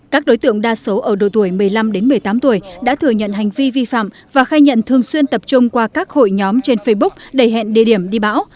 các đối tượng đa số ở độ tuổi một mươi năm một mươi tám tuổi đã thừa nhận hành vi vi phạm và khai nhận thường xuyên tập trung qua các hội nhóm trên facebook đầy hẹn địa điểm đi bão